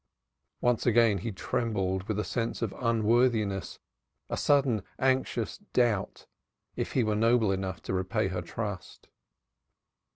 Once again he trembled with a sense of unworthiness, a sudden anxious doubt if he were noble enough to repay her trust.